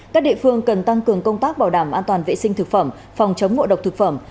các địa phương cần tăng cường công tác bảo đảm an toàn vệ sinh thực phẩm phòng chống ngộ độc thực phẩm